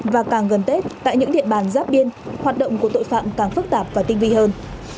và càng gần tết tại những địa bàn giáp biên hoạt động của tội phạm càng phức tạp và tinh vi hơn